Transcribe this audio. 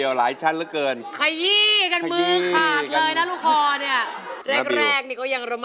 อย่าให้พี่บอกพระน้องนะ